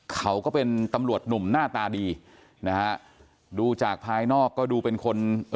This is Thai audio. เขาก็เป็นตำรวจหนุ่มหน้าตาดีนะฮะดูจากภายนอกก็ดูเป็นคน